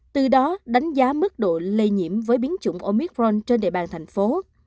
từ đó đánh giá mức độ lây nhiễm với biến chủng omicron trên địa bàn thành phố